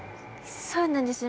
そうなんですね。